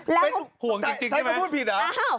ห่วงจริงใช่ไหมใช้ก็พูดผิดเหรอ